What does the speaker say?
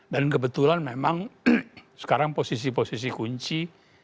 dan kebetulan memang sekarang posisi posisi kunci